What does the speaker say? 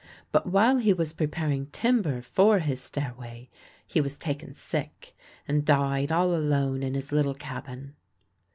But while he was preparing timber for his stairway he was taken sick, and died all alone in his little cabin.